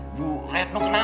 aduh susah ngejalanin sini bang